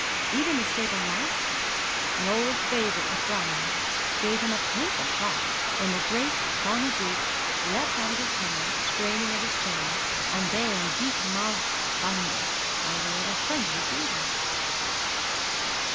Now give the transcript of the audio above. Even the stable mastiff, an old favourite with Brian, gave him a painful shock when the great tawny brute leapt out of his kennel, straining at his chain, and baying deep mouthed thunder by way of friendly greeting.